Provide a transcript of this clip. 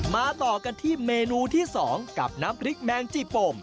ต่อกันที่เมนูที่๒กับน้ำพริกแมงจีปม